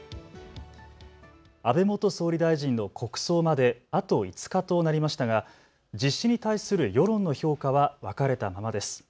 安倍元総理大臣の国葬まであと５日となりましたが実施に対する世論の評価は分かれたままです。